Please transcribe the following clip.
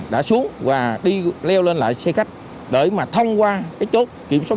để thông qua chốt